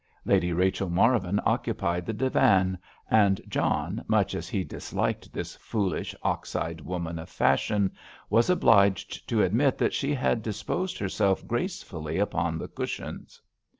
Lady Rachel Marvin occupied the divan, and John, much as he disliked this foolish ox eyed woman of fashion, was obliged to admit that she had disposed herself gracefully upon the cushions.